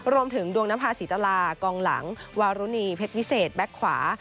รวมถึงดวงนภาษีตรากองหลังวารุณีเพชรวิเศษแบ็คขวา